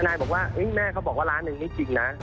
นายบอกว่าแม่เขาบอกว่าล้านหนึ่งนี่จริงนะ